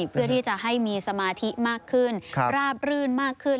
เพื่อที่จะให้มีสมาธิมากขึ้นราบรื่นมากขึ้น